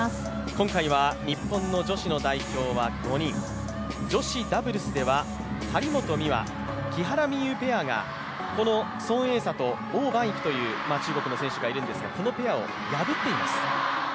今回は日本の女子の代表は５人、女子ダブルスでは張本美和、木原美悠ペアが、王曼イクという中国の選手がいるんですが、このペアを破っています。